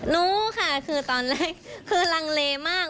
รู้ค่ะคือตอนแรกคือลังเลมาก